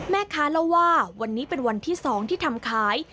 แม่ค้าเล่าว่าวันนี้เป็นวันที่๒ที่ทำขาย